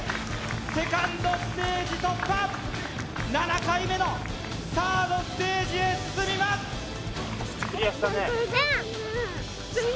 セカンドステージ突破７回目のサードステージへ進みますうん！